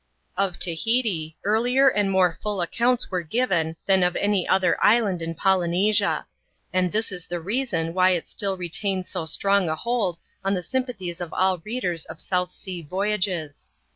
Of Tahiti, earlier and more full accounts were given, than of any other island in Polynesia ; and this is the reason why it still retains so strong a hold on the sympathies of all readers of South Sea voyages.